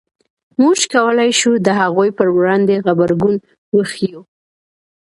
موږ کولای شو د هغوی په وړاندې غبرګون وښیو.